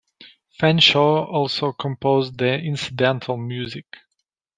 Fanshawe also composed the incidental music.